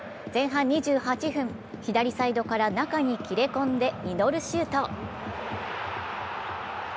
前半２８分、左サイドから中に切れ込んでミドルシュート。